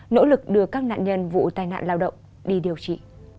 nỗ lực đưa các nạn nhân vụ tai nạn lao động đi điều trị